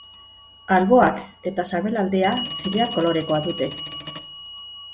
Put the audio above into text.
Alboak eta sabelaldea zilar kolorekoa dute.